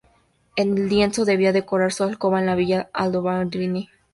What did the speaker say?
El lienzo debía decorar su alcoba en la Villa Aldobrandini.